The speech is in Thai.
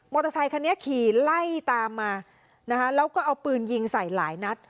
เตอร์ไซคันนี้ขี่ไล่ตามมานะคะแล้วก็เอาปืนยิงใส่หลายนัด